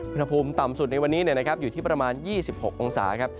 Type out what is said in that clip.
อุณหภูมิต่ำสุดในวันนี้อยู่ที่ประมาณ๒๖องศาครับ